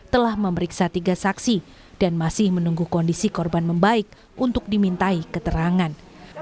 telah memeriksa tiga saksi dan masih menunggu kondisi korban membaik untuk dimintai keterangan